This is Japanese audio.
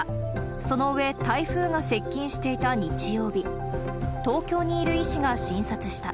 その上、台風が接近していた日曜日、東京にいる医師が診察した。